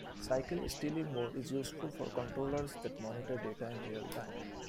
Cycle stealing mode is useful for controllers that monitor data in real time.